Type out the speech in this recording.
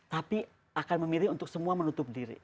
tapi akan memilih untuk semua menutup diri